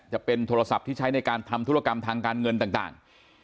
จะเป็นโทรศัพท์ที่ใช้ในการทำธุรกรรมทางการเงินต่าง